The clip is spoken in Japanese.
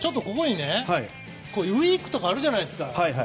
ウィークとかあるじゃないですか。